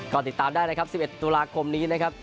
ก็ติดตามได้นะครับ๑๑ตุลาคมนี้นะครับ